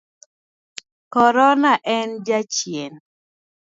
Korona en jachien.